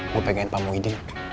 gue pegangin pak muhyiddin